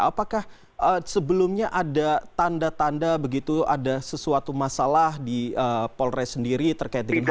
apakah sebelumnya ada tanda tanda begitu ada sesuatu masalah di polres sendiri terkait dengan hal ini